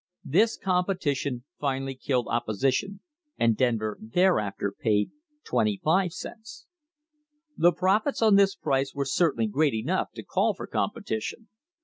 This competition finally killed opposition and Denver thereafter paid twenty five cents. The profits on this price were cer tainly great enough to call for competition.